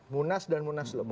munas dan munaslup